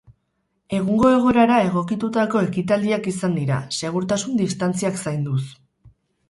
Egungo egoerara egokitutako ekitaldiak izan dira, segurtasun distantziak zainduz.